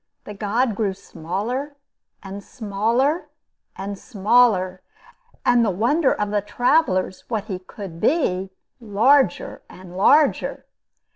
The god grew smaller, and smaller, and smaller; and the wonder of the travelers what he could be, larger and larger.